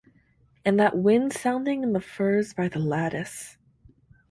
And that wind sounding in the firs by the lattice.